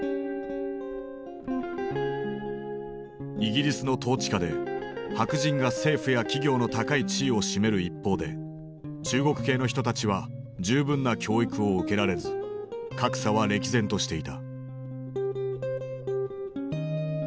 イギリスの統治下で白人が政府や企業の高い地位を占める一方で中国系の人たちは十分な教育を受けられず格差は歴然としていた。